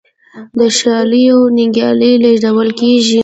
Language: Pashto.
د شالیو نیالګي لیږدول کیږي.